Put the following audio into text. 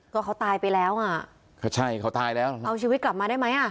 ก็เขาตายไปแล้วอ่ะเขาใช่เขาตายแล้วเหรอเอาชีวิตกลับมาได้ไหมอ่ะ